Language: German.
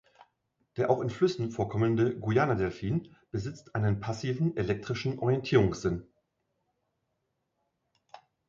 Der auch in Flüssen vorkommende Guyana-Delfin besitzt einen passiven elektrischen Orientierungssinn.